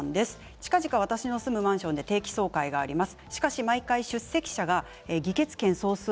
近々、私のそのマンションで定期総会があります。